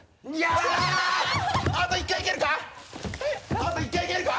あと１回いけるか？